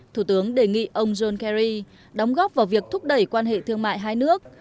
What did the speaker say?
thủ tướng đề nghị ông john kerry đóng góp vào việc thúc đẩy quan hệ thương mại hai nước